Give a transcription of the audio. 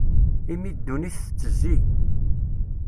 Imi ddunit tettezzi.